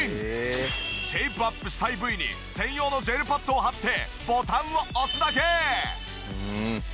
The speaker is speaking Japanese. シェイプアップしたい部位に専用のジェルパッドを貼ってボタンを押すだけ！